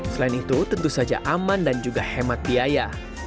selain itu tentu saja aman dan juga hemat biaya